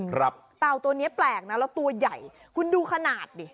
เต่าตัวเนี้ยแปลกนะแล้วตัวใหญ่คุณดูขนาดดิ